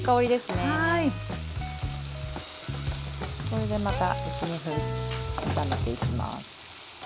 これでまた１２分炒めていきます。